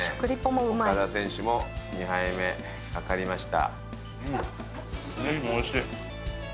オカダ選手も２杯目かかりました